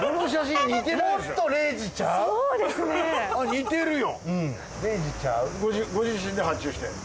似てるよ！